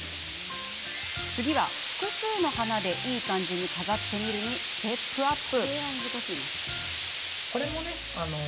次は複数の花でいい感じに飾ってみるにステップアップ。